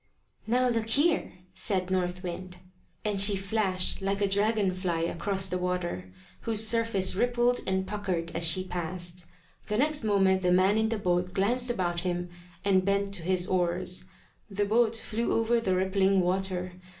"Now look here!" said North Wind. And she flashed like a dragon fly across the water, whose surface rippled and puckered as she passed. The next moment the man in the boat glanced about him, and bent to his oars. The boat flew over the rippling water.